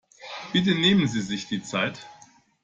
Bitte nehmen Sie sich die Zeit.